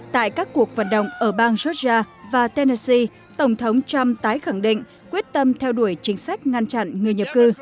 tại các cuộc vận động ở bang georgia và tennessee tổng thống trump tái khẳng định quyết tâm theo đuổi chính sách ngăn chặn người nhập cư